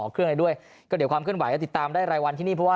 เครื่องอะไรด้วยก็เดี๋ยวความเคลื่อนไหวก็ติดตามได้รายวันที่นี่เพราะว่า